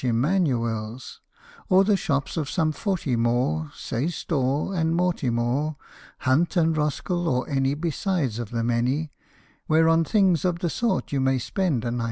Emmanuel's, Or the shops of some forty more (Say Storr and Mortimore, Hunt and Roskell, or any besides of the many Where on things of the sort you may spend a nice penny) * No